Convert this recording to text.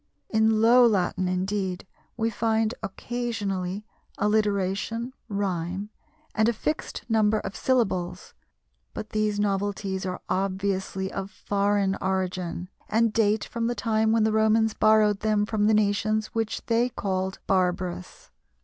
In Low Latin, indeed, we find occasionally alliteration, rhyme, and a fixed number of syllables, but these novelties are obviously of foreign origin, and date from the time when the Romans borrowed them from the nations which they called barbarous.